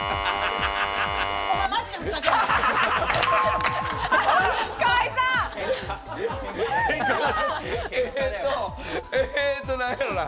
お前マジでふざけんな！